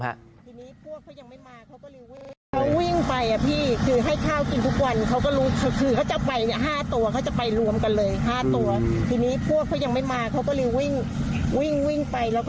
หมาคือสงสัยเพราะปกติเขาจะไม่เป็นอย่างนี้